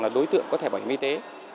là đối tượng có thể bảo hiểm y tế